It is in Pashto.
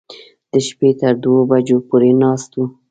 د شپې تر دوو بجو پورې ناست و.